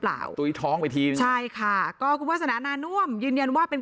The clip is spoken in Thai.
เปล่าตุ๊ยท้องไปทีใช่ค่ะก็คุณวัฒนาอาณาน่าน่วมยืนยันว่าเป็น